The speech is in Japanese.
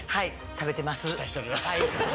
期待しております。